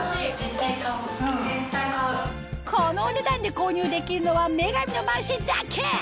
このお値段で購入できるのは『女神のマルシェ』だけ！